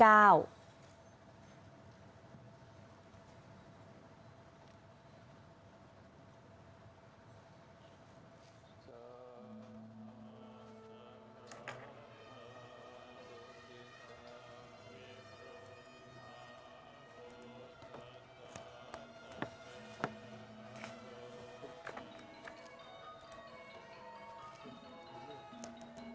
อัลโอน